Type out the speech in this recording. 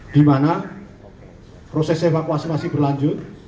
di mana proses evakuasi masih berlanjut